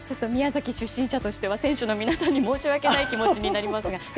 宮崎出身者としては選手の皆さんに申し訳ない気持ちになりますが。